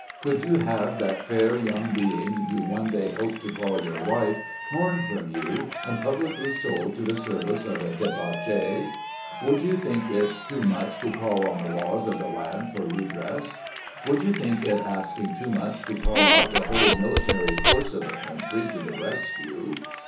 Could you have that fair young being you one day hope to call your wife torn from you, and publicly sold to the service of a debauchee ? Would you think it too much to call on the laws of the land for redress ? Would you think it asking too much to call out the whole military force of the country to the rescue